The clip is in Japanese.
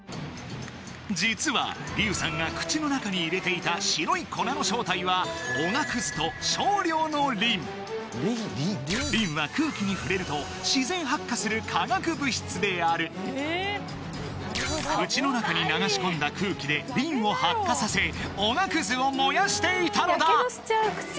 実はリウさんが口の中に入れていた白い粉の正体はおがくずと少量のリンリンは空気に触れると自然発火する化学物質である口の中に流し込んだ空気でリンを発火させおがくずを燃やしていたのだ！